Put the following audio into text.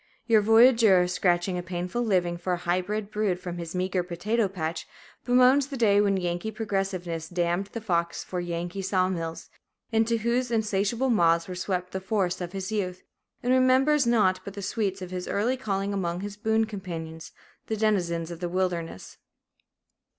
Your voyageur, scratching a painful living for a hybrid brood from his meager potato patch, bemoans the day when Yankee progressiveness dammed the Fox for Yankee saw mills, into whose insatiable maws were swept the forests of his youth, and remembers nought but the sweets of his early calling among his boon companions, the denizens of the wilderness.